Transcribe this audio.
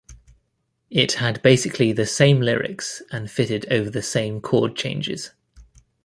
It had basically the same lyrics and fitted over the same chord changes.